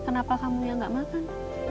kenapa kamu yang gak makan